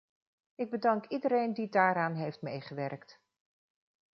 Ik bedank iedereen die daaraan heeft meegewerkt.